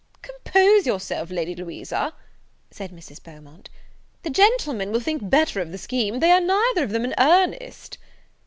"Compose yourself, Lady Louisa," said Mrs. Beaumont, "the gentlemen will think better of the scheme; they are neither of them in earnest."